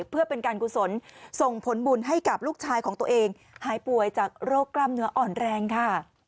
เพื่อเป็นการกุศลส่งผลบุญให้กับลูกชายของตัวเองหายป่วยจากโรคกล้ามเนื้ออ่อนแรงค่ะ